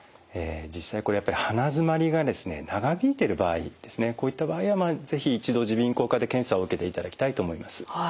実際これやっぱり鼻づまりが長引いている場合ですねこういった場合は是非一度耳鼻咽喉科で検査を受けていただきたいと思います。